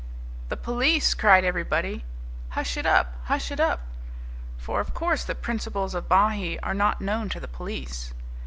"The police!" cried everybody. "Hush it up! Hush it up!" For of course the principles of Bahee are not known to the police.